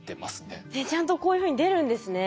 ねっちゃんとこういうふうに出るんですね。